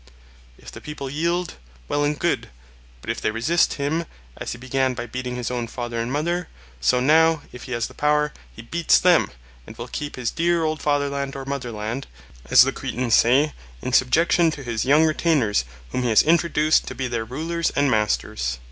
If the people yield, well and good; but if they resist him, as he began by beating his own father and mother, so now, if he has the power, he beats them, and will keep his dear old fatherland or motherland, as the Cretans say, in subjection to his young retainers whom he has introduced to be their rulers and masters.